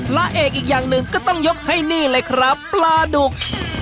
พระเอกอีกอย่างหนึ่งก็ต้องยกให้นี่เลยครับปลาดุก